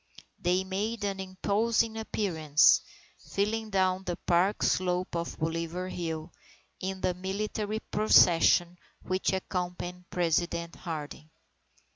They made an imposing appearance, filing down the park slope of Bolivar Hill, in the military procession which accompanied President Harding.